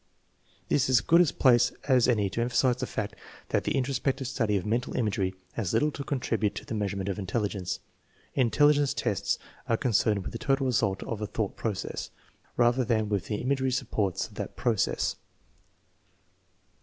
This is as good a place as any to emphasize the fact that the introspective study of mental imagery has little to contribute to the measurement of intelligence. Intelligen.ee tests are concerned with the total result of a thought process, rather than with the imagery supports of that process.